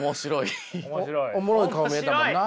おもろい顔見えたもんな。